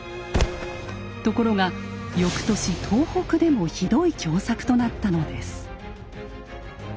ところが翌年東北でもひどい凶作となったのです。